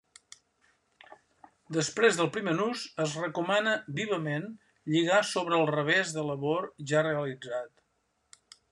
Després del primer nus, es recomana vivament lligar sobre el revés de labor ja realitzat.